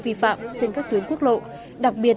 vi phạm trên các tuyến quốc lộ đặc biệt